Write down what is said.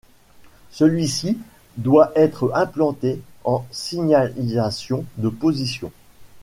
Celui-ci doit être implanté en signalisation de position.